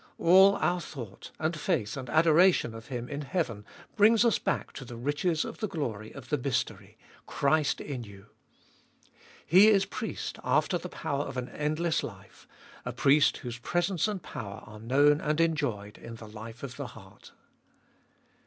All our thought, and faith, and adoration of Him in heaven brings us back to the riches of the glory of the mystery — Christ in you. He is Priest after the power of an endless life, a Priest whose presence and power are known and enjoyed in the life of the heart.